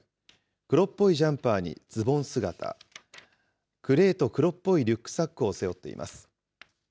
黒っぽいジャンパーにズボン姿、グレーと黒っぽいリュックサックを背負っています。